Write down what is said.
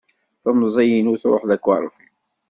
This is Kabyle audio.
Temẓi inu truḥ d akeṛfi.